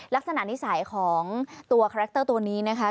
ลักษณะนิสัยของตัวคาแรคเตอร์ตัวนี้นะคะ